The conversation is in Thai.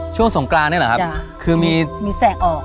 ช่วงสงฆาลนี่หรือคือมีแสงออก